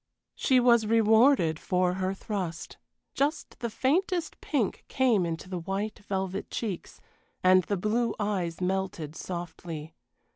She was rewarded for her thrust: just the faintest pink came into the white velvet cheeks, and the blue eyes melted softly.